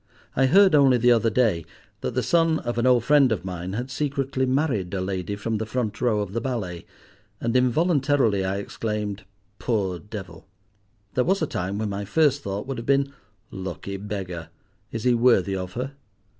I heard only the other day that the son of an old friend of mine had secretly married a lady from the front row of the ballet, and involuntarily I exclaimed, "Poor devil!" There was a time when my first thought would have been, "Lucky beggar! is he worthy of her?"